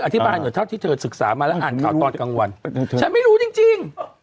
อธิบายหน่อยเท่าที่เธอศึกษามาแล้วอ่านข่าวตอนกลางวันฉันไม่รู้จริง